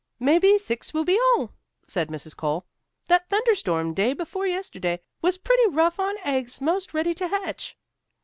"Maybe six will be all," said Mrs. Cole. "That thunder storm day before yesterday was pretty rough on eggs 'most ready to hatch."